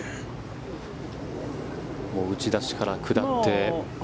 打ち出しから下って。